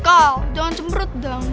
kal jangan cemerut dong